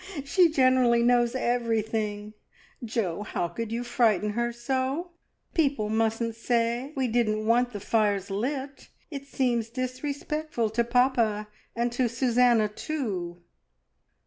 "She generally knows everything. Jo! how could you fidghten her so? People mustn't say we didn't want the fires lit. It seems disrespectful to papa and to Susanna too."